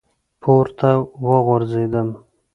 پـورتـه وغورځـېدم ،